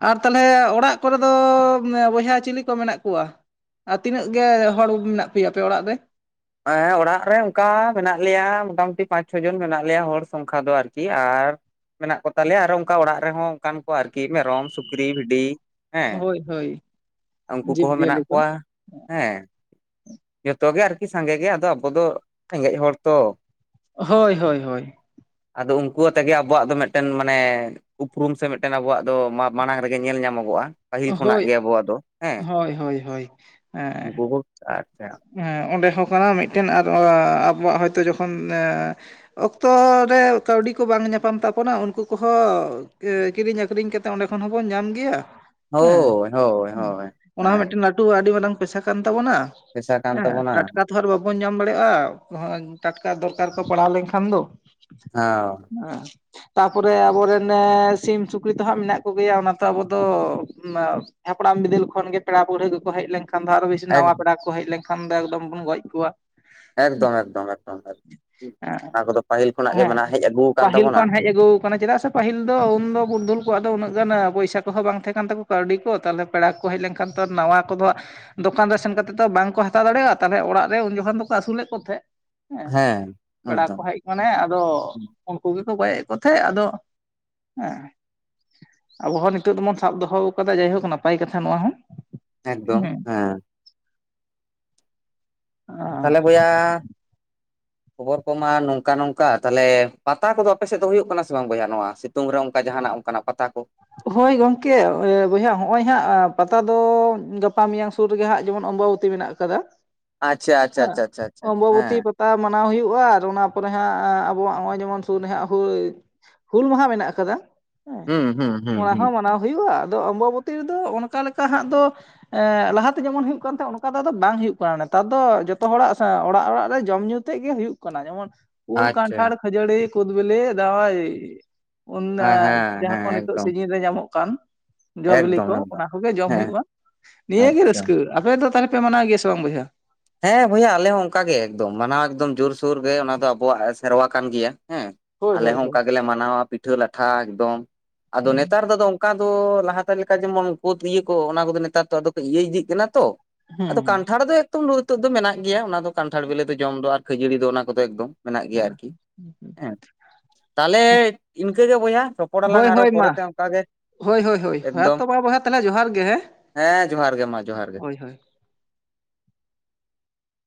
ᱟᱨ ᱛᱟᱦᱚᱞᱮ ᱚᱲᱟᱜ ᱠᱚᱨᱮ ᱫᱚ ᱵᱚᱭᱦᱟ ᱪᱤᱞᱤ ᱠᱚ ᱢᱮᱱᱟᱜ ᱠᱚᱣᱟ ᱟᱨ ᱛᱤᱱᱟᱹᱜ ᱜᱮ ᱦᱚᱲ ᱢᱮᱱᱟᱜ ᱯᱮᱭᱟ ᱟᱯᱮ ᱚᱲᱟᱜ ᱨᱮ ᱚᱲᱟᱜ ᱨᱮ ᱚᱝᱠᱟ ᱢᱮᱱᱟᱜ ᱞᱮᱭᱟ ᱢᱳᱚᱴᱟᱢᱩᱴᱤ ᱯᱟᱸᱪ ᱪᱷᱚ ᱡᱚᱱ ᱢᱮᱱᱟᱜ ᱞᱮᱭᱟ ᱦᱚᱲ ᱥᱚᱝᱠᱷᱟ ᱫᱚ ᱟᱨᱠᱤ ᱟᱨ ᱢᱮᱱᱟᱜ ᱠᱚ ᱛᱟᱞᱮᱭᱟ ᱟᱨᱚ ᱚᱱᱠᱟ ᱚᱲᱟᱜ ᱨᱮᱦᱚᱸ ᱚᱱᱠᱟᱱ ᱠᱚ ᱟᱨᱠᱤ ᱢᱮᱨᱚᱢ ᱥᱩᱠᱨᱤ ᱵᱷᱤᱰᱤ ᱦᱮᱸ ᱦᱳᱭ ᱦᱳᱭ ᱩᱱᱠᱩ ᱡᱤᱵᱽ ᱠᱚᱦᱚᱸ ᱢᱮᱱᱟᱜ ᱡᱤᱭᱟᱹᱞᱤ ᱠᱚ ᱠᱚᱣᱟ ᱦᱮᱸ ᱡᱚᱛᱚ ᱜᱮ ᱟᱨᱠᱤ ᱥᱟᱸᱜᱮ ᱜᱮ ᱟᱫᱚ ᱟᱵᱚ ᱫᱚ ᱨᱮᱸᱜᱮᱡ ᱦᱚᱲ ᱛᱚ ᱦᱳᱭ ᱦᱳᱭ ᱦᱳᱭ ᱟᱫᱚ ᱩᱱᱠᱩ ᱟᱛᱮ ᱜᱮ ᱟᱵᱚᱣᱟᱜ ᱫᱚ ᱢᱮᱫᱴᱮᱱ ᱢᱟᱱᱮ ᱩᱯᱨᱩᱢ ᱥᱮ ᱢᱮᱫᱴᱮᱱ ᱟᱵᱚᱣᱟᱜ ᱫᱚ ᱢᱟᱲᱟᱝ ᱨᱮᱜᱮ ᱧᱮᱞ ᱧᱟᱢᱚᱜᱚᱜᱼᱟ ᱯᱟᱹᱦᱤᱞ ᱠᱷᱚᱱᱟᱜ ᱦᱳᱭ ᱜᱮ ᱟᱵᱚᱣᱟᱜ ᱫᱚ ᱦᱮᱸ ᱦᱳᱭ ᱦᱳᱭ ᱦᱳᱭ ᱦᱮᱸ ᱩᱱᱠᱩ ᱠᱚ ᱟᱪᱪᱷᱟ ᱚᱸᱰᱮ ᱦᱚᱸ ᱠᱟᱱᱟ ᱢᱤᱫᱴᱮᱱ ᱟᱨ ᱟᱵᱚᱣᱟᱜ ᱦᱚᱭᱛᱳ ᱡᱚᱠᱷᱚᱱ ᱚᱠᱛᱚ ᱨᱮ ᱠᱟᱹᱣᱰᱤ ᱠᱚ ᱵᱟᱝ ᱧᱟᱯᱟᱢ ᱛᱟᱵᱚᱱᱟ ᱩᱱᱠᱩ ᱠᱚᱦᱚᱸ ᱠᱤᱨᱤᱧ ᱟᱹᱠᱷᱨᱤᱧ ᱠᱟᱛᱮᱜ ᱚᱸᱰᱮ ᱠᱷᱚᱱ ᱦᱚᱸᱵᱚᱱ ᱧᱟᱢ ᱜᱮᱭᱟ ᱦᱮᱸ ᱦᱳᱭ ᱦᱳᱭ ᱦᱳᱭ ᱚᱱᱟ ᱦᱚᱸ ᱦᱳᱭ ᱢᱤᱫᱴᱮᱱ ᱞᱟᱹᱴᱩ ᱟᱹᱰᱤ ᱢᱟᱨᱟᱝ ᱯᱮᱥᱟ ᱠᱟᱱ ᱛᱟᱵᱚᱱᱟ ᱯᱮᱥᱟ ᱠᱟᱱ ᱮ ᱛᱟᱵᱚᱱᱟ ᱴᱟᱴᱠᱟ ᱛᱚ ᱟᱨ ᱵᱟᱵᱚ ᱵᱟᱵᱚᱱ ᱧᱟᱢ ᱫᱟᱲᱮᱭᱟᱜᱼᱟ ᱴᱟᱴᱠᱟ ᱫᱚᱨᱠᱟᱨ ᱠᱚ ᱯᱟᱲᱟᱣ ᱞᱮᱱᱠᱷᱟᱱ ᱫᱚ ᱦᱮᱸ (unintelligible) ᱛᱟ ᱯᱚᱨᱮ ᱟᱵᱚᱨᱮᱱ ᱥᱤᱢ ᱥᱩᱠᱨᱤ ᱛᱚ ᱦᱟᱸᱜ ᱢᱮᱱᱟᱜ ᱠᱚ ᱜᱮᱭᱟ ᱚᱱᱟ ᱛᱚ ᱟᱵᱚ ᱫᱚ ᱦᱟᱯᱲᱟᱢ ᱵᱤᱫᱟᱹᱞ ᱠᱷᱚᱱ ᱜᱮ ᱯᱮᱲᱟ ᱯᱟᱹᱲᱦᱟᱹ ᱠᱚ ᱠᱚ ᱦᱮᱡ ᱞᱮᱱᱠᱷᱟᱱ ᱫᱚ ᱟᱨ ᱦᱚᱸ ᱮᱠ ᱱᱟᱣᱟ ᱯᱮᱲᱟ ᱠᱚ ᱦᱮᱡ ᱞᱮᱠᱷᱟᱱ ᱫᱚ ᱮᱠᱫᱚᱢ ᱵᱚᱱ ᱜᱚᱡ ᱠᱚᱣᱟ᱾ ᱮᱠᱫᱚᱢ ᱮᱠᱫᱚᱢ ᱮᱠᱫᱚᱢ᱾ ᱚᱱᱟ ᱠᱚᱫᱚ ᱯᱟᱹᱦᱤᱞ ᱠᱷᱚᱱᱟᱜ ᱜᱮ ᱦᱮᱸ ᱢᱮᱱᱟ ᱦᱮᱡ ᱟᱹᱜᱩ ᱟᱠᱟᱱ ᱯᱟᱹᱦᱤᱞ ᱛᱟᱵᱚᱱᱟ᱾ ᱠᱷᱚᱱ ᱦᱮᱡ ᱟᱹᱜᱩ ᱠᱟᱱᱟ ᱪᱮᱫᱟᱜ ᱥᱮ ᱯᱟᱹᱦᱤᱞ ᱫᱚ ᱩᱱᱫᱚ ᱯᱩᱨᱫᱷᱩᱞ ᱠᱚᱣᱟᱜ ᱫᱚ ᱩᱱᱟᱹᱜ ᱜᱟᱱ ᱯᱚᱭᱥᱟ ᱠᱚᱦᱚᱸ ᱵᱟᱝ ᱛᱟᱦᱮᱸ ᱠᱟᱱ ᱛᱟᱠᱚ ᱠᱟᱹᱣᱰᱤ ᱠᱚ ᱛᱟᱦᱚᱞᱮ ᱯᱮᱲᱟ ᱠᱚ ᱦᱮᱡ ᱞᱮᱱᱠᱷᱟᱱ ᱛᱚ ᱱᱟᱣᱟ ᱠᱚᱫᱚ ᱫᱚᱠᱟᱱ ᱨᱮ ᱥᱮᱱ ᱠᱟᱛᱮ ᱵᱟᱝ ᱠᱚ ᱦᱟᱛᱟᱣ ᱫᱟᱲᱮᱭᱟᱜᱼᱟ᱾ ᱛᱟᱦᱚᱞᱮ ᱚᱲᱟᱜ ᱨᱮ ᱩᱱ ᱡᱚᱠᱷᱚᱱ ᱫᱚᱠᱚ ᱟᱹᱥᱩᱞᱮᱫ ᱠᱚ ᱛᱟᱦᱮᱸᱫ ᱦᱮᱸ ᱯᱮᱲᱟ ᱠᱚ ᱢᱟᱱᱮ ᱟᱫᱚ ᱩᱱᱠᱩ ᱜᱮᱠᱚ ᱜᱚᱭᱮᱜ ᱠᱚᱝ ᱛᱟᱦᱮᱸᱫ᱾ ᱟᱫᱚ ᱟᱵᱚ ᱦᱚᱸ ᱱᱤᱛᱚᱜ ᱫᱚᱵᱚᱱ ᱥᱟᱵ ᱫᱚᱦᱚ ᱟᱠᱟᱫᱟ ᱡᱟᱭᱦᱳᱠ ᱱᱟᱯᱟᱭ ᱠᱟᱛᱷᱟ ᱱᱚᱣᱟ ᱦᱚᱸ ᱮᱠᱫᱚᱢ ᱦᱮᱸ ᱛᱟᱦᱚᱞᱮ ᱵᱚᱭᱦᱟ ᱠᱷᱚᱵᱚᱨ ᱠᱚᱢᱟ ᱱᱚᱝᱠᱟ ᱱᱚᱝᱠᱟ ᱛᱟᱦᱚᱞᱮ ᱯᱟᱛᱟ ᱠᱚᱫᱚ ᱟᱯᱮ ᱥᱮᱫ ᱫᱚ ᱦᱩᱭᱩᱜ ᱠᱟᱱᱟ ᱥᱮ ᱵᱟᱝ ᱵᱚᱭᱦᱟ ᱱᱚᱣᱟ ᱥᱤᱛᱩᱝ ᱨᱮ ᱚᱱᱠᱟ ᱡᱟᱦᱟᱸᱱᱟᱜ ᱚᱱᱠᱟᱱᱟᱜ ᱯᱟᱛᱟ ᱠᱚ ᱦᱳᱭ ᱜᱚᱝᱠᱮ ᱵᱚᱭᱦᱟ ᱱᱚᱜᱼᱚᱭ ᱦᱟᱸᱜ ᱯᱟᱛᱟ ᱫᱚ ᱜᱟᱯᱟ ᱢᱮᱭᱟᱝ ᱥᱩᱨ ᱨᱮᱜᱮ ᱦᱟᱸᱜ ᱡᱮᱢᱚᱱ ᱚᱢᱵᱟᱵᱚᱛᱤ ᱢᱮᱱᱟᱜ ᱠᱟᱫᱟ ᱟᱪᱪᱷᱟ ᱟᱪᱪᱷᱟ ᱪᱷᱟ ᱪᱷᱟ ᱪᱷᱟ ᱦᱮᱸ ᱛᱟ ᱢᱟᱱᱟᱣ ᱦᱩᱭᱩᱜᱼᱟ ᱟᱨ ᱚᱱᱟ ᱯᱚᱨᱮ ᱦᱟᱸᱜ ᱟᱵᱚᱣᱟᱜ ᱱᱚᱜᱼᱚᱭ ᱡᱮᱢᱚᱱ ᱥᱩᱨ ᱦᱟᱜ ᱦᱳ ᱦᱩᱞ ᱢᱟᱦᱟ ᱢᱮᱱᱟᱜ ᱟᱠᱟᱫᱟ᱾ ᱦᱩᱸ ᱦᱩᱸ ᱚᱱᱟ ᱦᱩᱸ ᱦᱚᱸ ᱢᱟᱱᱟᱣ ᱦᱩᱭᱩᱜᱼᱟ᱾ᱟᱫᱚ ᱚᱢᱵᱟᱵᱚᱛᱤ ᱨᱮᱫᱚ ᱚᱱᱠᱟ ᱞᱮᱠᱟ ᱦᱟᱸᱜ ᱫᱚ ᱞᱟᱦᱟ ᱛᱮ ᱡᱮᱢᱚᱱ ᱦᱩᱭᱩᱜ ᱠᱟᱱ ᱛᱟᱦᱮᱸ ᱚᱱᱠᱟ ᱫᱚ ᱟᱫᱚ ᱵᱟᱝ ᱦᱩᱭᱩᱜ ᱠᱟᱱᱟ᱾ᱱᱮᱛᱟᱨ ᱫᱚ ᱡᱚᱛᱚ ᱦᱚᱲᱟᱜ ᱥᱮ ᱚᱲᱟᱜ ᱚᱲᱟᱜ ᱨᱮ ᱡᱚᱢ ᱧᱩ ᱛᱮᱫ ᱜᱮ ᱦᱩᱭᱩᱜ ᱠᱟᱱᱟ᱾ᱡᱮᱢᱚᱱ ᱩᱞ ᱟᱪᱪᱷᱟ ᱠᱟᱱᱴᱷᱟᱲ ᱠᱷᱟᱹᱡᱟᱹᱲᱤ ᱠᱩᱫ ᱵᱤᱞᱤ ᱫᱟᱭ ᱚᱱ ᱫᱟ ᱦᱮᱸ ᱦᱮᱸ ᱡᱟᱸᱦᱟ ᱦᱮᱸ ᱠᱷᱚᱱ ᱮᱠᱫᱚᱢ ᱨᱮ ᱧᱟᱢᱚᱜ ᱠᱟᱱ ᱡᱚ ᱵᱤᱞᱤ ᱮᱠᱫᱚᱢ ᱠᱚ ᱮᱠᱫᱚᱢ ᱚᱱᱟ ᱠᱚᱜᱮ ᱡᱚᱢ ᱦᱮᱸ ᱦᱩᱭᱩᱜᱼᱟ ᱱᱤᱭᱟᱹ ᱜᱮ ᱟᱪᱪᱷᱟ ᱨᱟᱹᱥᱠᱟᱹ ᱟᱯᱮ ᱫᱚ ᱛᱟᱦᱚᱞᱮ ᱯᱮ ᱢᱟᱱᱟᱣ ᱜᱮᱭᱟ ᱥᱮ ᱵᱟᱝ ᱵᱚᱭᱦᱟ? ᱦᱮᱸ ᱵᱚᱭᱦᱟ ᱟᱞᱮ ᱦᱚᱸ ᱚᱱᱠᱟᱜᱮ ᱮᱠᱫᱚᱢ ᱢᱟᱱᱟᱣ ᱮᱠᱫᱚᱢ ᱡᱳᱨᱥᱳᱨ ᱜᱮ ᱚᱱᱟ ᱫᱚ ᱟᱵᱚᱣᱟᱜ ᱥᱮᱨᱣᱟ ᱠᱟᱱ ᱜᱮᱭᱟ ᱦᱮᱸ ᱦᱳᱭ ᱟᱞᱮ ᱦᱳᱭ ᱦᱚᱸ ᱦᱳᱭ ᱚᱱᱠᱟ ᱜᱮ ᱞᱮ ᱢᱟᱱᱟᱣᱟ ᱯᱤᱴᱷᱟᱹ ᱞᱟᱴᱷᱟ ᱮᱠᱫᱚᱢ᱾ ᱟᱫᱚ ᱦᱩᱸ ᱱᱮᱛᱟᱨ ᱫᱚ ᱚᱱᱠᱟ ᱫᱚ ᱞᱟᱦᱟᱛᱮ ᱞᱮᱠᱟ ᱡᱮᱢᱚᱱ ᱠᱳᱫ ᱤᱭᱟᱹ ᱠᱚ ᱚᱱᱟ ᱠᱚ ᱫᱚ ᱱᱮᱛᱟᱨ ᱟᱫᱚ ᱤᱭᱟᱹ ᱤᱫᱤᱜ ᱠᱟᱱᱟ ᱛᱚ ᱟᱫᱚ ᱦᱩᱸ ᱠᱟᱱᱴᱷᱟᱲ ᱫᱚ ᱮᱠᱫᱚᱢ ᱱᱤᱛᱚᱜ ᱫᱚ ᱢᱮᱱᱟᱜ ᱜᱮᱭᱟ᱾ ᱚᱱᱟ ᱫᱚ ᱠᱟᱱᱴᱷᱟᱲ ᱵᱮᱞᱮ ᱫᱚ ᱡᱚᱢ ᱫᱚ ᱟᱨ ᱠᱷᱟᱹᱡᱟᱹᱲᱤ ᱫᱚ ᱚᱱᱟ ᱠᱚᱫᱚ ᱮᱠᱫᱚᱢ ᱢᱮᱱᱟᱜ ᱜᱮᱭᱟ ᱟᱨᱠᱤ ᱦᱮᱸ (unintelligible) ᱛᱟᱦᱚᱞᱮ ᱤᱱᱠᱟᱹᱜᱮ ᱵᱚᱭᱦᱟ ᱨᱚᱯᱚᱲᱟᱞᱟᱝ ᱦᱳᱭ ᱟᱨᱚ ᱦᱳᱭ ᱢᱟ ᱯᱚᱨᱮ ᱛᱮ ᱚᱱᱠᱟ ᱜᱮ ᱦᱳᱭ ᱦᱳᱭ ᱦᱳᱭ ᱦᱮᱸ ᱮᱠᱫᱚᱢ ᱛᱚ ᱢᱟ ᱵᱚᱭᱦᱟ ᱛᱟᱦᱚᱞᱮ ᱡᱚᱦᱟᱨ ᱜᱮ ᱦᱮᱸ ᱦᱮᱸ ᱡᱚᱦᱟᱸᱨ ᱜᱮ ᱢᱟ ᱡᱚᱦᱟᱸᱨ ᱜᱮ ᱦᱳᱭ ᱦᱳᱭ